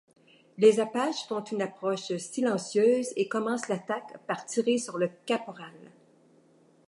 Les Apaches font une approche silencieuse et commencent l'attaque par tirer sur le caporal.